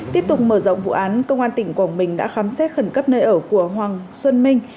tiếp tục mở rộng vụ án công an tỉnh quảng bình đã khám xét khẩn cấp nơi ở của hoàng xuân minh